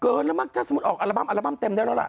เกินแล้วมากจังสมมติออกอัลบั้มอัลบั้มเต็มได้แล้วล่ะ